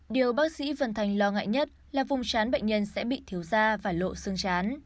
điều bác sĩ vận thành lo ngại nhất là vùng chán bệnh nhân sẽ bị thiếu da và lộ xương chán